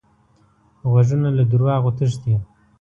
غوږونه له دروغو تښتي